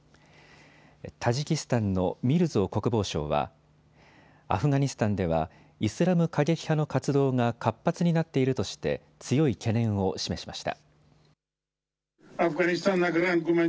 タジキスタンのミルゾ国防相はアフガニスタンではイスラム過激派の活動が活発になっているとして強い懸念を示しました。